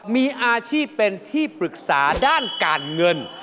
มีอาชีพเป็นที่ปรึกษาด้านการเงิน